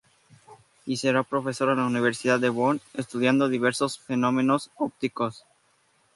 Y será Profesor en la Universidad de Bonn, estudiando diversos fenómenos ópticos.